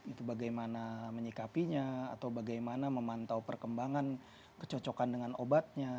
itu bagaimana menyikapinya atau bagaimana memantau perkembangan kecocokan dengan obatnya